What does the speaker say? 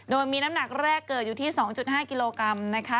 โดยมีน้ำหนักแรกเกิดอยู่ที่๒๕กิโลกรัมนะคะ